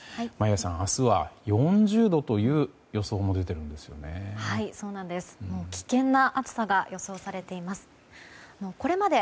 眞家さん、明日は４０度という予想も出ているんですね。